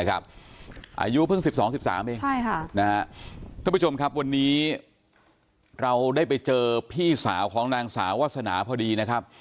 อายุเพิ่ง๑๒๑๓เองท่านผู้ชมครับวันนี้เราได้ไปเจอพี่สาวของนางสาววาสนาพอดีนะครับ